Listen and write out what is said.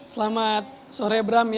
selamat sore bram